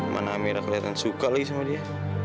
mana amira keliatan suka lagi sama dia